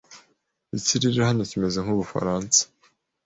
Ikirere hano kimeze nkubufaransa.